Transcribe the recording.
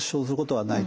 はい。